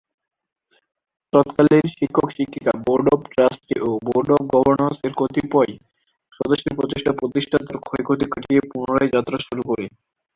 তৎকালীন শিক্ষক-শিক্ষিকা, board of trustee ও বোর্ড অব গভর্নরস-এর কতিপয় সদস্যের প্রচেষ্টায় প্রতিষ্ঠান তার ক্ষয়ক্ষতি কাটিয়ে পুনরায় যাত্রা শুরু করে।